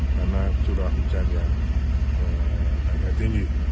karena curah hujan yang agak tinggi